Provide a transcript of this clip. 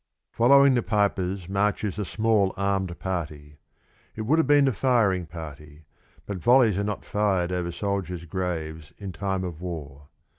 Following the pipers marches a small armed party. It would have been the firing party, but volleys are not fired over soldiers' graves in time of war.